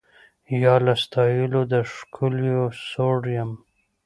یا له ستایلو د ښکلیو سوړ یم